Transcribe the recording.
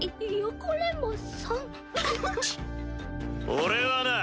俺はな